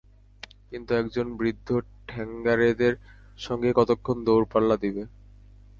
কিন্তু একজন বৃদ্ধ ঠ্যাঙাড়েদের সঙ্গে কতক্ষণ দৌড়পাল্লা দিবে?